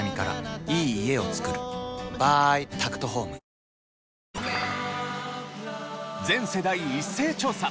すごい！全世代一斉調査